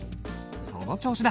その調子だ。